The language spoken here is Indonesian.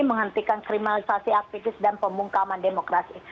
menghentikan kriminalisasi aktivis dan pemungkaman demokrasi